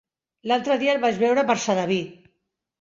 L'altre dia el vaig veure per Sedaví.